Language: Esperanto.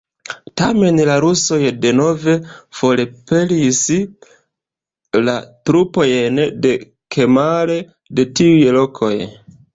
Tamen, la rusoj denove forpelis la trupojn de Kemal de tiuj lokoj.